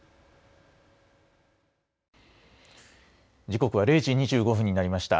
時刻は０時２５分になりました。